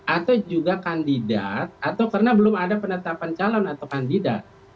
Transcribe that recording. atau juga kandidat atau karena belum ada penetapan calon atau kandidat